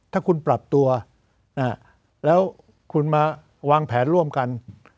ถ้าคุณปรับตัวแล้วคุณมาวางแผนร่วมกัน